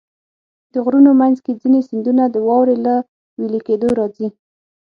د غرونو منځ کې ځینې سیندونه د واورې له وېلې کېدو راځي.